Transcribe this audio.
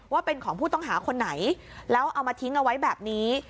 ว่าเป็นของผู้ต้องหาคนไหนแล้วเอามาทิ้งเอาไว้แบบนี้